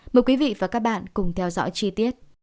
mời quý vị và các bạn cùng theo dõi chi tiết